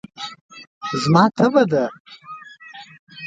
زما تبه ده.